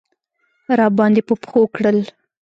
راباندې په پښو کړل.